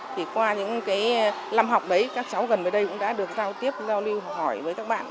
thì qua những cái năm học đấy các cháu gần đây cũng đã được giao tiếp giao lưu học hỏi với các bạn